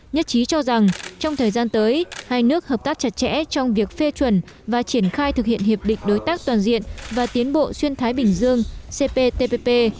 nhất trí cho rằng trong thời gian tới hai nước hợp tác chặt chẽ trong việc phê chuẩn và triển khai thực hiện hiệp định đối tác toàn diện và tiến bộ xuyên thái bình dương cptpp